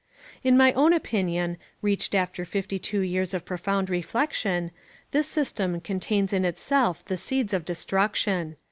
In my own opinion, reached after fifty two years of profound reflection, this system contains in itself the seeds of destruction.